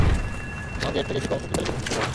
আমাকে এর থেকে একটু কম শক্তিশালী কিছু খুঁজতে দাও।